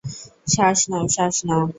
শ্বাস নাও, শ্বাস নাও।